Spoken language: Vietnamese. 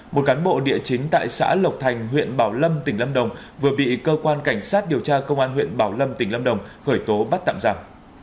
một cán bộ địa chính tại xã lộc thành huyện bảo lâm tỉnh lâm đồng vừa bị cơ quan cảnh sát điều tra công an huyện bảo lâm tỉnh lâm đồng khởi tố bắt tạm giả